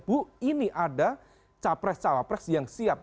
bu ini ada capres cawapres yang siap